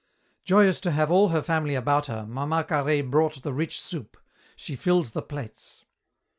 Joyous to have all her family about her, Mama Carhaix brought the rich soup. She filled the plates.